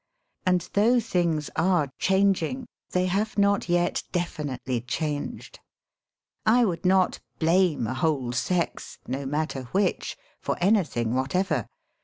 And, though things are changing, they have not yet definitely changed. I would not blame a whole sex — no matter which — for anything whatever.